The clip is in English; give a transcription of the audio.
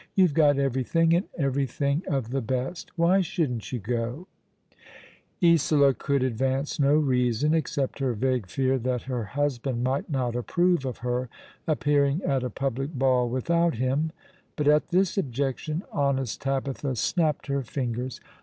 You've got everything, and every thing of the best. Why shouldn't you go ?" Isola could advance no reason, except her vague fear that her husband might not approve of her appearing at a public ball without him ; but at this objection honest Tabitha snapped her fingers.